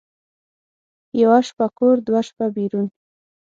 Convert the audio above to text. یوه شپه کور، دوه شپه بېرون.